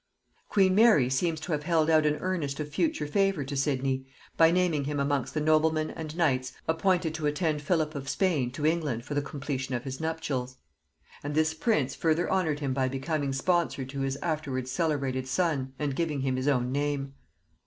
Queen Mary seems to have held out an earnest of future favor to Sidney, by naming him amongst the noblemen and knights appointed to attend Philip of Spain to England for the completion of his nuptials; and this prince further honored him by becoming sponsor to his afterwards celebrated son and giving him his own name.